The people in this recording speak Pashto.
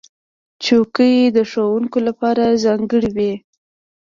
چوکۍ د ښوونکو لپاره ځانګړې وي.